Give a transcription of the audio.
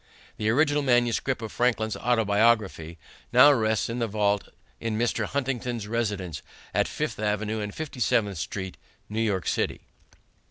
The original manuscript of Franklin's Autobiography now rests in the vault in Mr. Huntington's residence at Fifth Avenue and Fifty seventh Street, New York City.